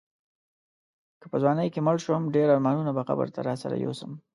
که په ځوانۍ کې مړ شوم ډېر ارمانونه به قبر ته راسره یوسم.